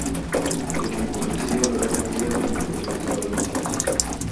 Que con hipocresía hablarán mentira, teniendo cauterizada la conciencia.